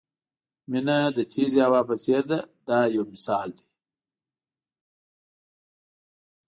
مینه د تېزې هوا په څېر ده دا یو مثال دی.